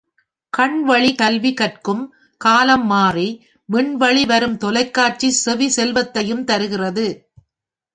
கண்வழிக் கல்வி கற்கும் காலம் மாறி விண் வழி வரும் தொலைக்காட்சி செவிச் செல்வத்தையும் தருகிறது.